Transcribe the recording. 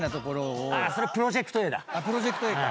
『プロジェクトＡ』か。